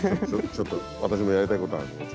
ちょっと私もやりたいことあるんで。